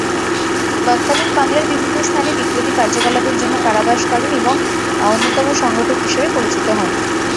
তৎকালীন বাংলার বিভিন্ন স্থানে বিপ্লবী কার্যকলাপের জন্য কারাবাস করেন এবং অন্যতম সংগঠক হিসেবে পরিচিত হন।